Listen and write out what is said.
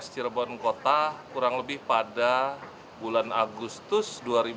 cirebon kota kurang lebih pada bulan agustus dua ribu dua puluh